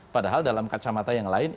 padahal dalam kacamata yang lain